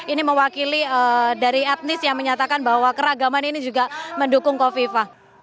ini mewakili dari etnis yang menyatakan bahwa keragaman ini juga mendukung kofifa